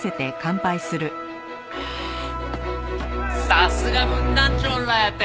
さすが分団長らやて！